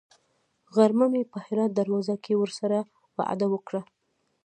غرمه مې په هرات دروازه کې ورسره وعده وکړه.